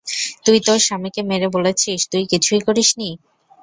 তুই তোর স্বামীকে মেরে বলছিস, তুই কিছুই করিসনি?